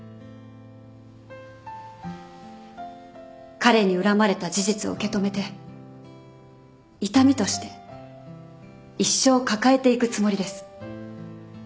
彼に恨まれた事実を受け止めて痛みとして一生抱えていくつもりです。